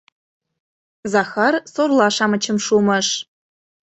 Захар сорла-шамычым шумыш.